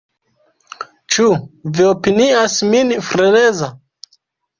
Ĉu vi opinias min freneza?